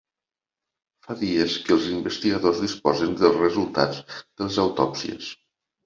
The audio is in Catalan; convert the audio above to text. Fa dies que els investigadors disposen dels resultats de les autòpsies.